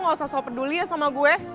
lo gak usah sopet duli ya sama gue